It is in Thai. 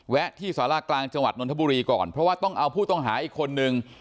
ที่สารากลางจังหวัดนทบุรีก่อนเพราะว่าต้องเอาผู้ต้องหาอีกคนนึง